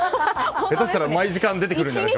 下手したら毎時間出てくるんじゃないですか。